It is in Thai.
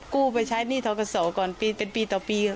กู้ไปใช้หนี้ทกศก่อนปีเป็นปีต่อปี